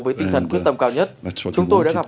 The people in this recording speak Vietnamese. với tinh thần quyết tâm cao nhất chúng tôi đã gặp